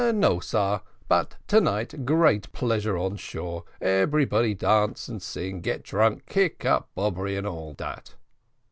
"No, sar; but to night great pleasure on shore. Eberybody dance and sing, get drunk, kick up bobbery, and all dat."